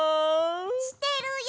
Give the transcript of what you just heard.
してるよ！